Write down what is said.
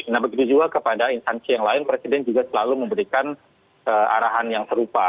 nah begitu juga kepada instansi yang lain presiden juga selalu memberikan arahan yang serupa